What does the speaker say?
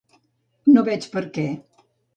No veig per què.